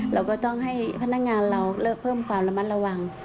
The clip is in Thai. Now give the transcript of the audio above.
เราก็ต้องให้พนักงานเราเลิกเพิ่มความระมัดระวัง